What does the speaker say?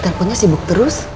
teleponnya sibuk terus